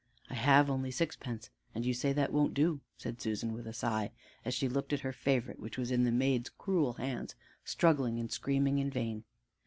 "I have only sixpence and you say that won't do," said Susan with a sigh, as she looked at her favorite which was in the maid's cruel hands, struggling and screaming in vain.